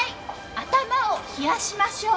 頭を冷やしましょう。